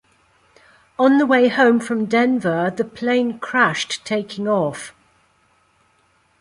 On the way home from Denver the plane crashed taking off.